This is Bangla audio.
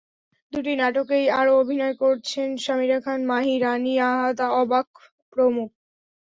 দুটি নাটকেই আরও অভিনয় করছেন সামিরা খান মাহি, রানী আহাদ, অবাক প্রমুখ।